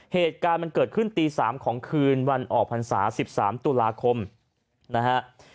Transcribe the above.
เหตุการณ์มันเกิดขึ้นตี๓ของคืนวันออกพรรษา๑๓ตุลาคมนะฮะ